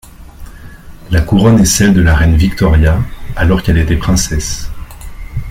La couronne est celle de la reine Victoria alors qu'elle était princesse.